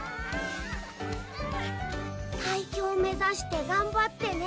「最強目指して頑張ってね